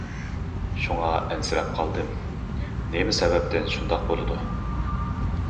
شۇڭا ئەنسىرەپ قالدىم. نېمە سەۋەبتىن شۇنداق بولىدۇ.